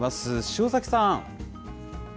塩崎さん。